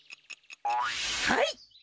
はい！